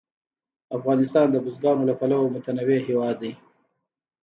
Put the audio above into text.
افغانستان د بزګانو له پلوه متنوع هېواد دی.